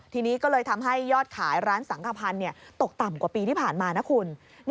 ทีนี้ก็เลยทำให้ยอดขายร้านสังขพันธ์ตกต่ำกว่าปีที่ผ่านมานะคุณ